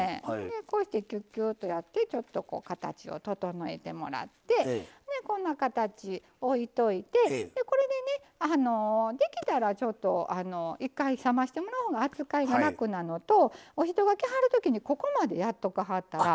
こうしてキュッキュッとやって形を整えてもらってこんな形置いといてこれでねできたらちょっと一回冷ましてもらう方が扱いが楽なのとお人が来はる時にここまでやっとかはったら。